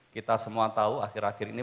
kita semua tahu akhir akhir ini